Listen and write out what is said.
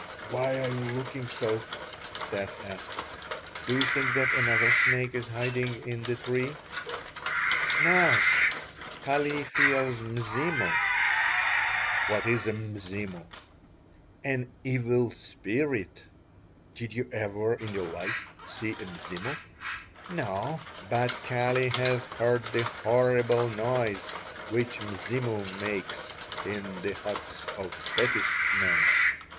"Why are you looking so?" Stas asked. "Do you think that another snake is hiding in the tree?" "No, Kali fears Mzimu!" "What is a Mzimu?" "An evil spirit." "Did you ever in your life see a Mzimu?" "No, but Kali has heard the horrible noise which Mzimu makes in the huts of fetish men."